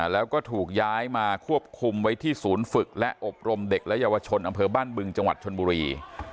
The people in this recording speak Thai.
แล้วก็ถูกย้ายมาควบคุมไว้ที่ศูนย์ฝึกและอบรมเด็กและเยาวชนอำเภอบ้านบึงจังหวัดชนบุรี